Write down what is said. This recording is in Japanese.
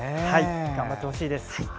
頑張ってほしいです。